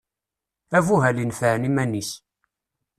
Abuhal inefɛen iman-is.